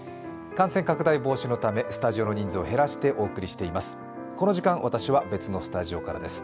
感染拡大防止のため、スタジオの人数を減らしてお送りしています。